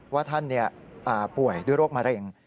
ว่าท่านป่วยด้วยโรคมะเร็ง